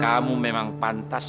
kamu memang pantas